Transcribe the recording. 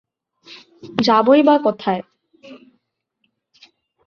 যাবোই বা কোথায়?